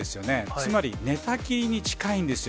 つまり、寝たきりに近いんですよ。